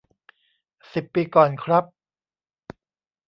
สิบปีก่อนครับ